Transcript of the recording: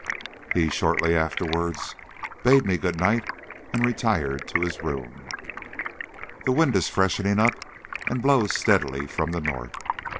He shortly afterwards bade me good night and retired to his room. The wind is freshening up, and blows steadily from the north.